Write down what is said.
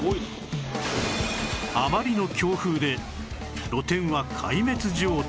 あまりの強風で露店は壊滅状態